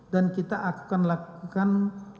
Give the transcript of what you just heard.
dan kita akan lakukan